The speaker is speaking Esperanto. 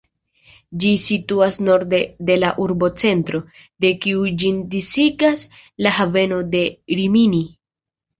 Ĝi situas norde de la urbocentro, de kiu ĝin disigas la haveno de Rimini.